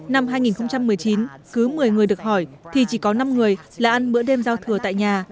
năm hai nghìn một mươi chín cứ một mươi người được hỏi thì chỉ có năm người là ăn bữa đêm giao thừa tại nhà